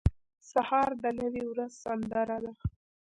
سهار د نوې ورځې سندره ده.